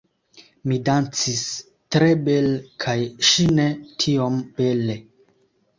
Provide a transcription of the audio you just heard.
Mi dancis tre bele kaj ŝi ne tiom bele